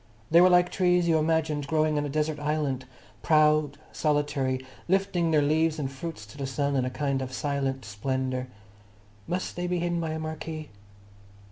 They were like trees you imagined growing on a desert island, proud, solitary, lifting their leaves and fruits to the sun in a kind of silent splendour. Must they be hidden by a marquee?